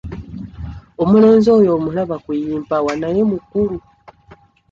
Omulenzi oyo omulaba kuyimpawa naye mukulu.